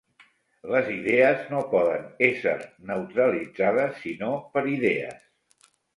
Les idees no poden ésser neutralitzades sinó per idees.